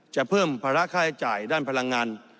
จะเพิ่มภาระค่าใช้จ่ายด้านพลังงาน